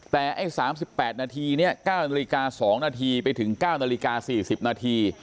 แต่ไอ้๓๘นาทีเนี่ย๙นาฬิกา๒นาทีไปถึง๙นาฬิกา๔๐นาที